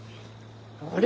あれ！？